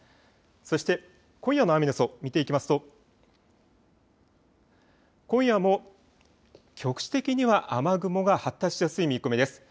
そして今夜の雨の予想を見ていきますと今夜も局地的には雨雲が発達しやすい見込みです。